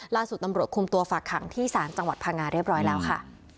ล่าสุดตำรวจคุมตัวฝากขังที่ศาลจังหวัดพังงาเรียบร้อยแล้วค่ะ